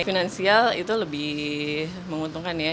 finansial itu lebih menguntungkan ya